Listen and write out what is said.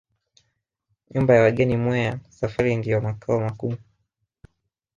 Nyumba ya wageni Mweya Safari ndiyo makao makuu